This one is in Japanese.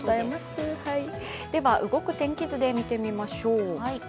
では動く天気図で見てみましょう。